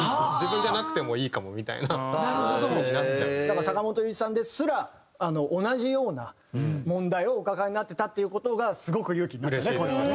だから坂本龍一さんですら同じような問題をお抱えになってたっていう事がすごく勇気になったね。